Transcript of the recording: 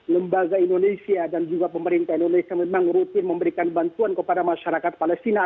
lembaga indonesia dan juga pemerintah indonesia memang rutin memberikan bantuan kepada masyarakat palestina